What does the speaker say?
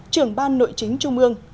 trường ban nội chính trung ương